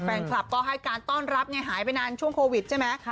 แฟนคลับก็ให้การต้อนรับไงหายไปนานช่วงโควิดใช่ไหม